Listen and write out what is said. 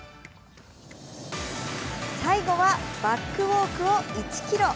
最後は、バックウォークを１ｋｍ。